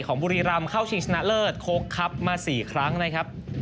ของบุรีรัมม์เข้าชิงชนะเลิศโคตรคัพมา๔ครั้งนะครับ